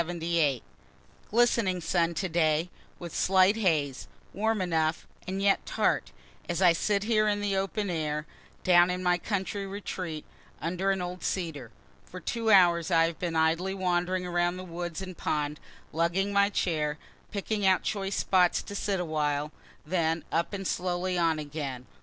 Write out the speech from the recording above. Glistening sun today, with slight haze, warm enough, and yet tart, as I sit here in the open air, down in my country retreat, under an old cedar. For two hours I have been idly wandering around the woods and pond, lugging my chair, picking out choice spots to sit awhile then up and slowly on again.